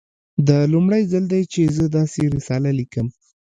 دا لومړی ځل دی چې زه داسې رساله لیکم